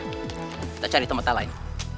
kita cari tempat lain